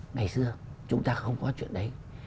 ngày xưa chúng ta không có chuyện đấy